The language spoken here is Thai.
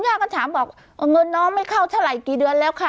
ย่าก็ถามบอกเงินน้องไม่เข้าเท่าไหร่กี่เดือนแล้วค่ะ